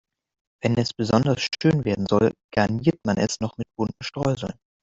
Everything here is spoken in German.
Wenn es besonders schön werden soll, garniert man es noch mit bunten Streuseln.